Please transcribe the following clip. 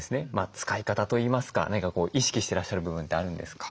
使い方といいますか何か意識してらっしゃる部分ってあるんですか？